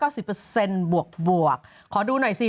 ขอดูหน่อยสิรูปมีเพิ่มมีให้ดูไหม